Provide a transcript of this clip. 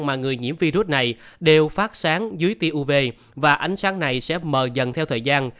mà người nhiễm virus này đều phát sáng dưới tia uv và ánh sáng này sẽ mờ dần theo thời gian